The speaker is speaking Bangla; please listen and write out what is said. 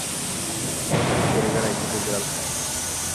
অবশ্য খুব গরীবেরাই কুকুর-বেড়াল খায়।